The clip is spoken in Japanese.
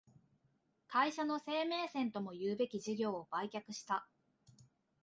会社の生命線ともいうべき事業を売却した